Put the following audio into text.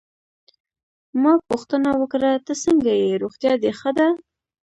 ما پوښتنه وکړه: ته څنګه ېې، روغتیا دي ښه ده؟